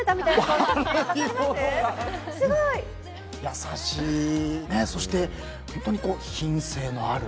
優しいそして本当に品性のある。